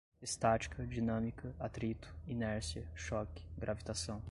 Estática, dinâmica, atrito, inércia, choque, gravitação